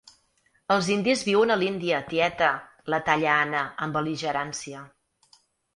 Els indis viuen a l'Índia, tieta —la talla Anna, amb bel·ligerància—.